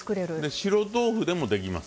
白豆腐でもできます。